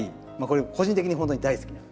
これ個人的にほんとに大好きな。